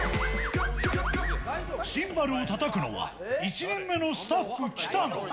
シンバルをたたくのは、１年目のスタッフ、北野。